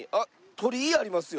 鳥居ありますよ。